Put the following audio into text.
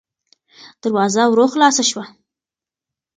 دروازه ورو خلاصه شوه.